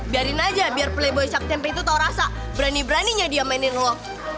biarin aja biar playboy syak tempe itu tau rasa berani beraninya dia mainin lo